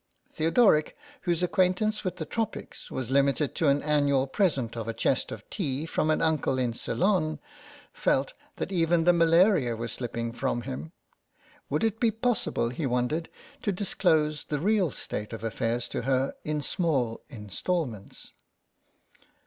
" Theodoric, whose acquaintance with the Tropics was limited to an annual present of a chest of tea from an uncle in Ceylon, felt that even the malaria was slipping from him. Would it be possible, he wondered, to disclose the real state of affairs to her in small instalments?